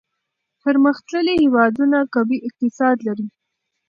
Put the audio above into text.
پرمختللي هېوادونه قوي اقتصاد لري.